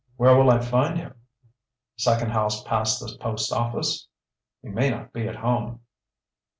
"Where will I find him?" "Second house past the post office. He may not be at home."